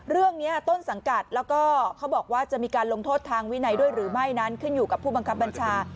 เรื่องนี้ต้นสังกัดแล้วก็เขาบอกว่าจะมีการลงโทษทางวินัยด้วยหรือไม่นั้นขึ้นอยู่กับผู้บังคับบัญชา